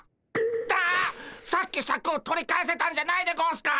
さっきシャクを取り返せたんじゃないでゴンスか？